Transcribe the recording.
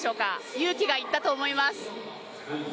勇気が要ったと思います。